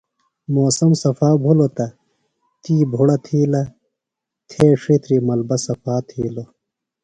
موسم صفا بھِلیۡ تہ تی بھُڑہ تھِیلہ تھے ڇھیتری ملبہ صفاتھِیلو۔